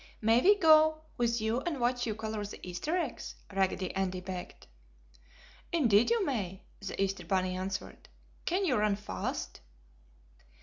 "May we go with you and watch you color the Easter eggs?" Raggedy Andy begged. "Indeed you may!" the Easter bunny answered. "Can you run fast?"